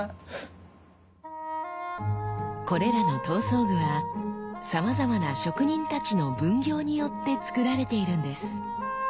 これらの刀装具はさまざまな職人たちの分業によって作られているんです。